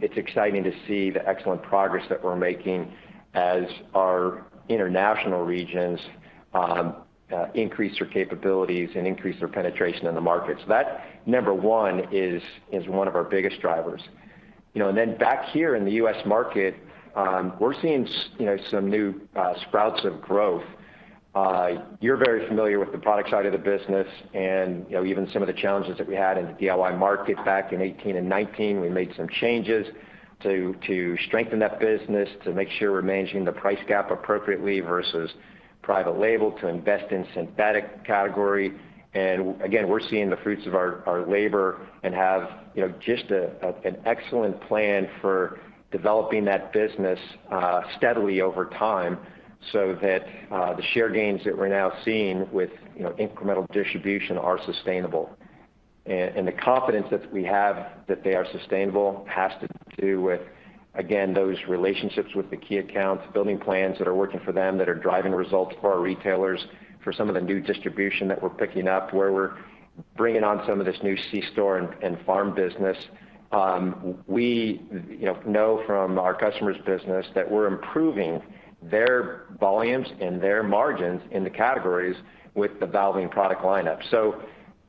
it's exciting to see the excellent progress that we're making as our international regions increase their capabilities and increase their penetration in the market. That, number one, is one of our biggest drivers. You know, back here in the U.S. market, we're seeing you know, some new sprouts of growth. You're very familiar with the product side of the business and, you know, even some of the challenges that we had in the DIY market back in 2018 and 2019. We made some changes to strengthen that business, to make sure we're managing the price gap appropriately versus private label, to invest in synthetic category. Again, we're seeing the fruits of our labor and have, you know, just an excellent plan for developing that business steadily over time so that the share gains that we're now seeing with, you know, incremental distribution are sustainable. The confidence that we have that they are sustainable has to do with, again, those relationships with the key accounts, building plans that are working for them, that are driving results for our retailers, for some of the new distribution that we're picking up, where we're bringing on some of this new C store and farm business. We know from our customers' business that we're improving their volumes and their margins in the categories with the Valvoline product lineup.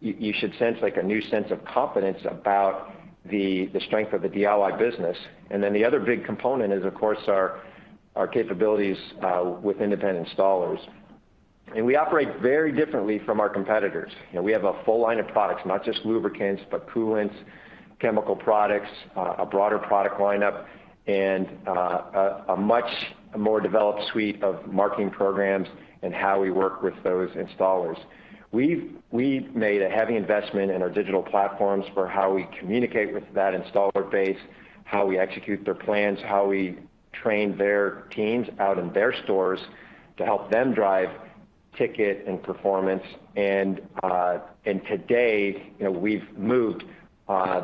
You should sense like a new sense of confidence about the strength of the DIY business. The other big component is of course our capabilities with independent installers. We operate very differently from our competitors. You know, we have a full line of products, not just lubricants, but coolants, chemical products, a broader product lineup and a much more developed suite of marketing programs and how we work with those installers. We've made a heavy investment in our digital platforms for how we communicate with that installer base, how we execute their plans, how we train their teams out in their stores to help them drive ticket and performance. Today, you know, we've moved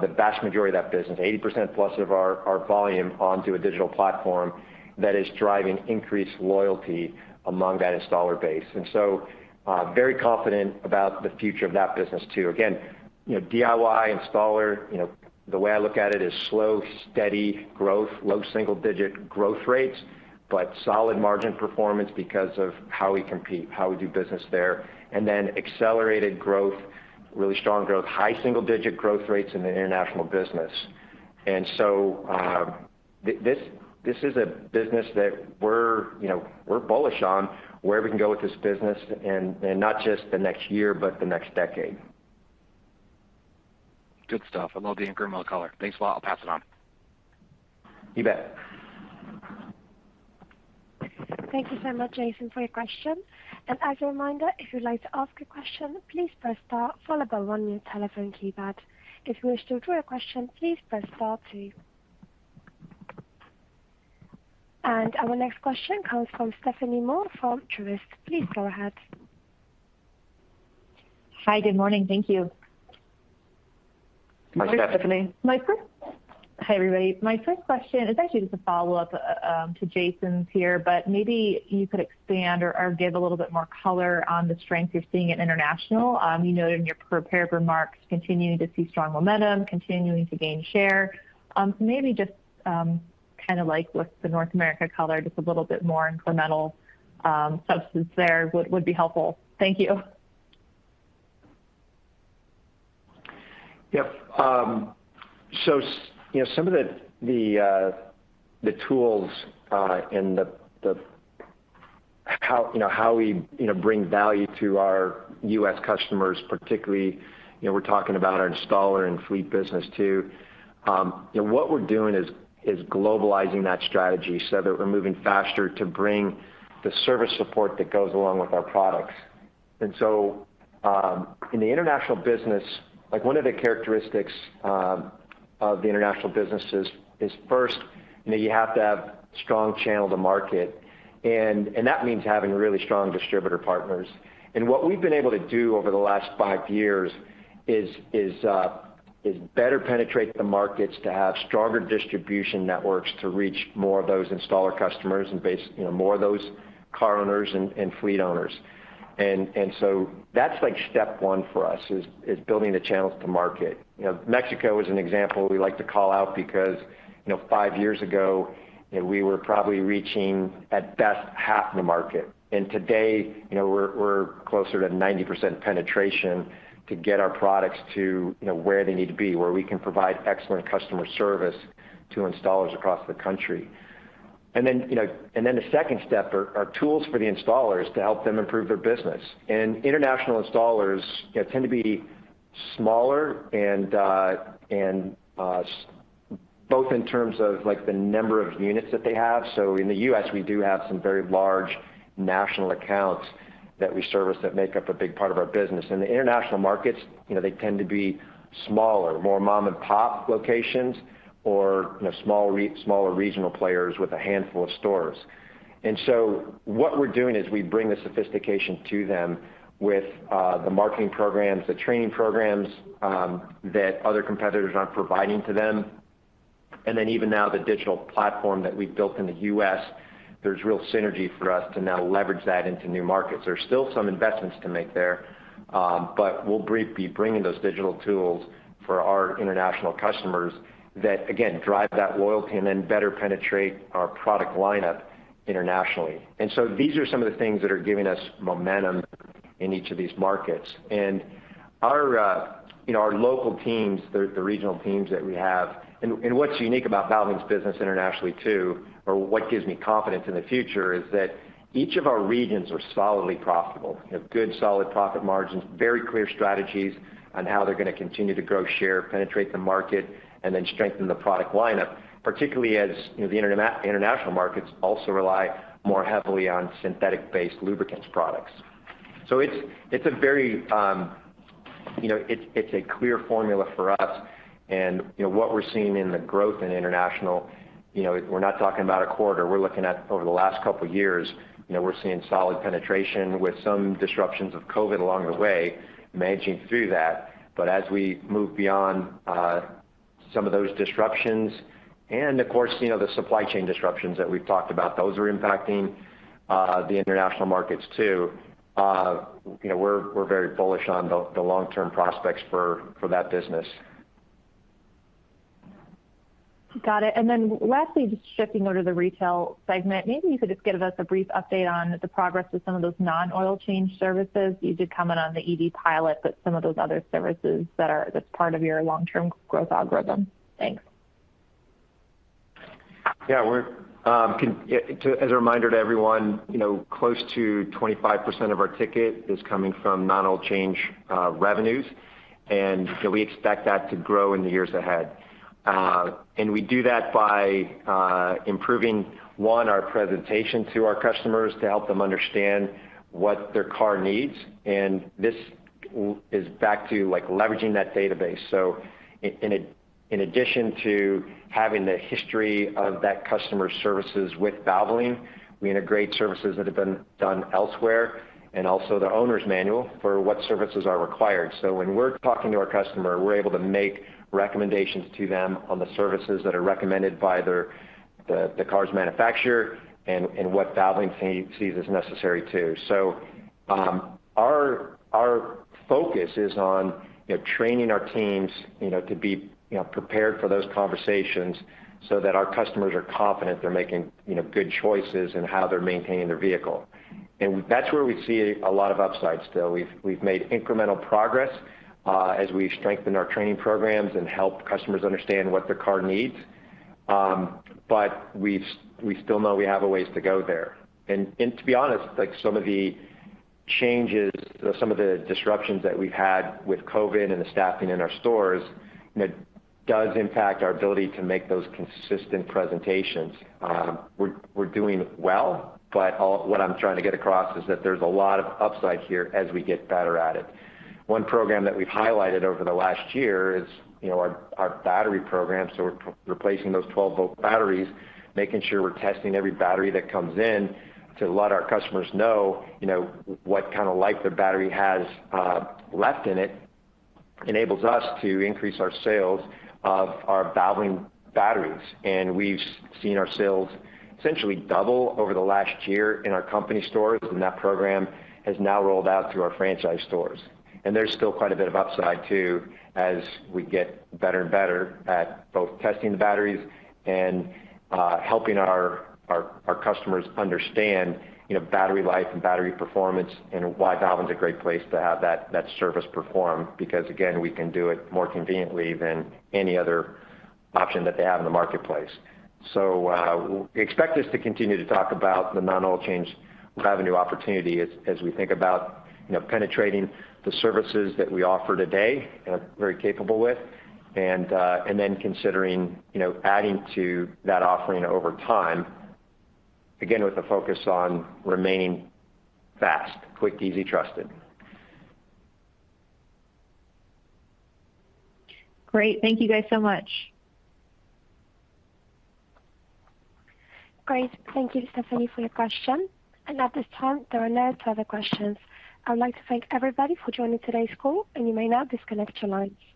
the vast majority of that business, 80% plus of our volume onto a digital platform that is driving increased loyalty among that installer base. Very confident about the future of that business too. Again, you know, DIY, installer, you know, the way I look at it is slow, steady growth, low single-digit growth rates, but solid margin performance because of how we compete, how we do business there. Then accelerated growth, really strong growth, high single-digit growth rates in the international business. This is a business that we're, you know, we're bullish on where we can go with this business and not just the next year, but the next decade. Good stuff. I love the incremental color. Thanks a lot. I'll pass it on. You bet. Thank you so much, Jason, for your question. As a reminder, if you'd like to ask a question, please press star followed by one on your telephone keypad. If you wish to withdraw your question, please press star two. Our next question comes from Stephanie Moore from Truist. Please go ahead. Hi, good morning. Thank you. Hi, Stephanie. Hi, everybody. My first question is actually just a follow-up to Jason's here, but maybe you could expand or give a little bit more color on the strength you're seeing in international. You noted in your prepared remarks, continuing to see strong momentum, continuing to gain share. Maybe just kinda like with the North America color, just a little bit more incremental substance there would be helpful. Thank you. Yep. You know, some of the tools and the how we bring value to our U.S. customers, particularly, you know, we're talking about our installer and fleet business too. You know, what we're doing is globalizing that strategy so that we're moving faster to bring the service support that goes along with our products. In the international business, like one of the characteristics of the international businesses is first, you know, you have to have strong channel to market. That means having really strong distributor partners. What we've been able to do over the last five years is better penetrate the markets to have stronger distribution networks to reach more of those installer customers and base, you know, more of those car owners and fleet owners. That's like step one for us, is building the channels to market. You know, Mexico is an example we like to call out because, you know, five years ago, you know, we were probably reaching, at best, half the market. Today, you know, we're closer to 90% penetration to get our products to, you know, where they need to be, where we can provide excellent customer service to installers across the country. The second step are tools for the installers to help them improve their business. International installers, you know, tend to be smaller and both in terms of, like, the number of units that they have. In the U.S., we do have some very large national accounts that we service that make up a big part of our business. In the international markets, you know, they tend to be smaller, more mom-and-pop locations or, you know, smaller regional players with a handful of stores. What we're doing is we bring the sophistication to them with the marketing programs, the training programs that other competitors aren't providing to them. Even now, the digital platform that we've built in the U.S., there's real synergy for us to now leverage that into new markets. There's still some investments to make there, but we'll be bringing those digital tools for our international customers that again, drive that loyalty and then better penetrate our product lineup internationally. These are some of the things that are giving us momentum in each of these markets. Our, you know, our local teams, the regional teams that we have. What's unique about Valvoline's business internationally too, or what gives me confidence in the future, is that each of our regions are solidly profitable. They have good, solid profit margins, very clear strategies on how they're gonna continue to grow share, penetrate the market, and then strengthen the product lineup, particularly as, you know, the international markets also rely more heavily on synthetic-based lubricants products. It's a very, you know, it's a clear formula for us. You know, what we're seeing in the growth in international, you know, we're not talking about a quarter, we're looking at over the last couple of years. You know, we're seeing solid penetration with some disruptions of COVID along the way, managing through that. As we move beyond some of those disruptions and of course, you know, the supply chain disruptions that we've talked about, those are impacting the international markets too. You know, we're very bullish on the long-term prospects for that business. Got it. Lastly, just shifting over to the retail segment. Maybe you could just give us a brief update on the progress of some of those non-oil change services. You did comment on the EV pilot, but some of those other services that are just part of your long-term growth algorithm. Thanks. As a reminder to everyone, you know, close to 25% of our ticket is coming from non-oil change revenues, and we expect that to grow in the years ahead. We do that by improving one our presentation to our customers to help them understand what their car needs. This is back to, like, leveraging that database. In addition to having the history of that customer services with Valvoline, we integrate services that have been done elsewhere and also the owner's manual for what services are required. When we're talking to our customer, we're able to make recommendations to them on the services that are recommended by the car's manufacturer and what Valvoline sees as necessary too. Our focus is on, you know, training our teams, you know, to be, you know, prepared for those conversations so that our customers are confident they're making, you know, good choices in how they're maintaining their vehicle. That's where we see a lot of upsides still. We've made incremental progress as we've strengthened our training programs and helped customers understand what their car needs. We still know we have a ways to go there. To be honest, like, some of the changes or some of the disruptions that we've had with COVID and the staffing in our stores, you know, does impact our ability to make those consistent presentations. We're doing well. What I'm trying to get across is that there's a lot of upside here as we get better at it. One program that we've highlighted over the last year is, you know, our battery program, so replacing those 12-volt batteries, making sure we're testing every battery that comes in to let our customers know, you know, what kind of life their battery has left in it, enables us to increase our sales of our Valvoline batteries. We've seen our sales essentially double over the last year in our company stores, and that program has now rolled out through our franchise stores. There's still quite a bit of upside too as we get better and better at both testing the batteries and helping our customers understand, you know, battery life and battery performance and why Valvoline's a great place to have that service performed because, again, we can do it more conveniently than any other option that they have in the marketplace. Expect us to continue to talk about the non-oil change revenue opportunity as we think about, you know, penetrating the services that we offer today and are very capable with, and then considering, you know, adding to that offering over time, again, with the focus on remaining fast, quick, easy, trusted. Great. Thank you guys so much. Great. Thank you, Stephanie, for your question. At this time, there are no further questions. I would like to thank everybody for joining today's call, and you may now disconnect your lines.